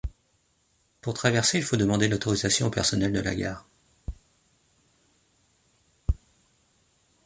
Pour traverser, il faut demander l'autorisation au personnel de la gare.